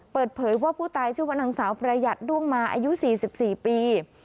เปิดเผยว่าผู้ตายชื่อว่านางสาวประหยัดด้วงมาอายุ๔๔ปี